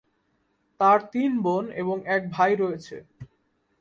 তার তিন বোন এবং এক ভাই রয়েছে।